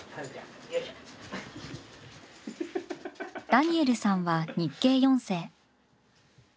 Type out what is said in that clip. ダニエルさんは日系４世。